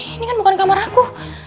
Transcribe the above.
ini kan bukan kamar aku